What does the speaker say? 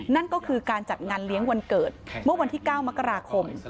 นั่นก็คือการจัดงานเลี้ยงวันเกิดเมื่อวันที่๙มกราคม